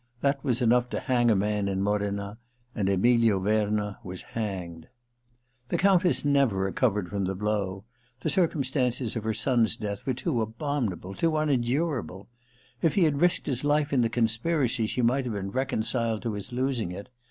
That was enough to hang a man in Modena, and Emilio Verna was hanged. 242 THE LETTER ii The Countess never recovered from the blow. The circumstances of her son's death were too abominable, too imendurable. If he had risked his life in the conspiracy, she might have been reconciled to his losing it.